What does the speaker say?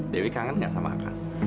dewi kangen gak sama akan